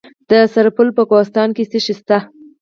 د سرپل په کوهستان کې څه شی شته؟